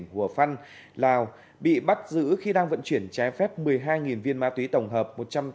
hùa phân lào bị bắt giữ khi đang vận chuyển trái phép một mươi hai viên ma túy tổng hợp